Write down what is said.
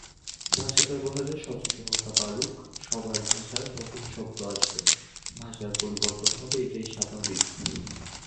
ভাষা ব্যবহারে সচেতনতা বাড়ুক সবারভাষায় নতুন শব্দ আসবে, ভাষার পরিবর্তন হবে এটাই স্বাভাবিক।